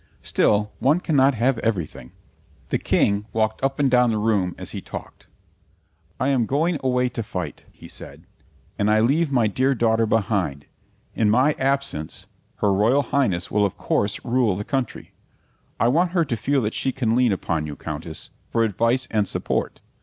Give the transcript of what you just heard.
Still, one cannot have everything. The King walked up and down the room as he talked. "I am going away to fight," he said, "and I leave my dear daughter behind. In my absence, her Royal Highness will of course rule the country. I want her to feel that she can lean upon you, Countess, for advice and support.